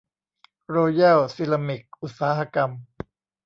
โรแยล ซีรามิค อุตสาหกรรม